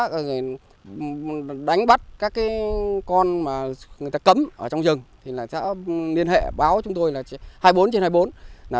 rồi đánh bắt các con mà người ta cấm ở trong rừng thì là sẽ liên hệ báo chúng tôi là hai mươi bốn trên hai mươi bốn